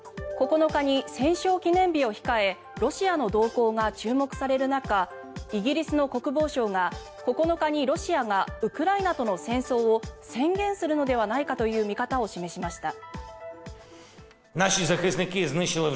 ９日に戦勝記念日を控えロシアの動向が注目される中イギリスの国防相が９日にロシアがウクライナとの戦争を宣言するのではないかという見方を示しました。